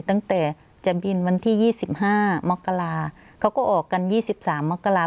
ตั้งแต่จะบินวันที่๒๕มกราเขาก็ออกกัน๒๓มกราศ